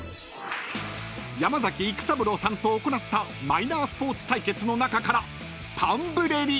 ［山崎育三郎さんと行ったマイナースポーツ対決の中からタンブレリ］